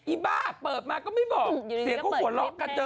อ้าเปิดมาก็ไม่บอกเสียงก็หัวเราะกันเถ